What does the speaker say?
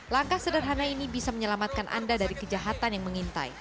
langkah sederhana ini bisa menyelamatkan anda dari kejahatan yang mengintai